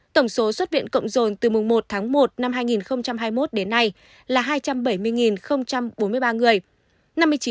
tổng số xuất viện cộng rồn từ mùng một tháng một năm hai nghìn hai mươi một đến nay là hai trăm bảy mươi bốn mươi ba người